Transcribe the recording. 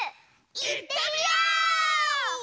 いってみよう！